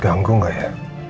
ganggu gak ya